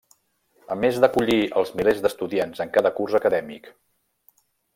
A més d'acollir els milers d'estudiants en cada curs acadèmic.